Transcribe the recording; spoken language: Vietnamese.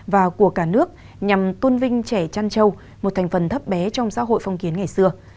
và của cả nước nhằm tôn vinh trẻ trăn châu một thành phần thấp bé trong xã hội phong kiến ngày xưa